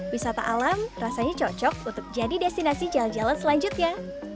wisata alam rasanya cocok untuk jadi destinasi jalan jalan selanjutnya